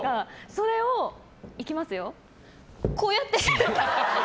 それを、いきますよ。